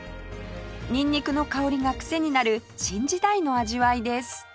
ニンニクの香りがクセになる新時代の味わいです